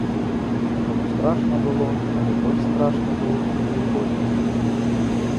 Таму страшна было, але больш страшна было не выходзіць.